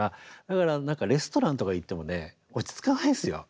だからレストランとか行ってもね落ち着かないんですよ。